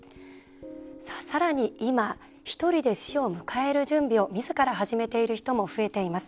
さらに今ひとりで死を迎える準備をみずから始めている人も増えています。